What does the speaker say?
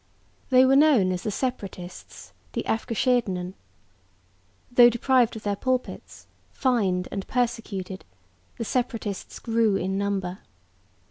They were known as "the Separatists" (de Afgescheidenen). Though deprived of their pulpits, fined and persecuted, the Separatists grew in number.